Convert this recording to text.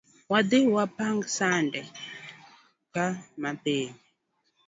Wadhii wapang sande ka mapiyo